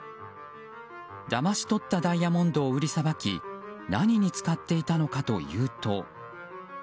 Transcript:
だまし取ったダイヤモンドを売りさばき何に使っていたのかというと。